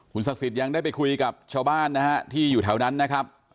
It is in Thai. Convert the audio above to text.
ศักดิ์สิทธิ์ยังได้ไปคุยกับชาวบ้านนะฮะที่อยู่แถวนั้นนะครับ